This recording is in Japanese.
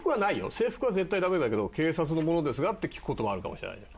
制服は絶対ダメだけど「警察の者ですが」って聞くことはあるかもしれないじゃん。